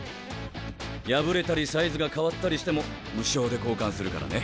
破れたりサイズが変わったりしても無償で交換するからね。